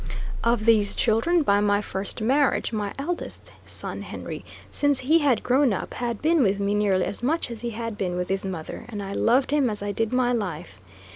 Of these children by my first marriage, my eldest son Henry, since he had grown up, had been with me nearly as much as he had been with his mother, and I loved him as I did my life.